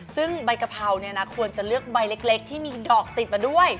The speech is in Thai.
ซึ่งใบกะเพราเนี่ยนะควรจะเลือกใบเล็กที่มีดอกติดมาด้วย